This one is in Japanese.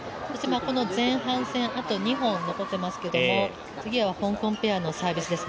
前半戦、あと２本残っていますけども次は香港ペアのサービスです。